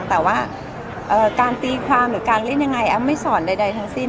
แต่ว่าการตีความหรือการเล่นยังไงแอมไม่สอนใดทั้งสิ้น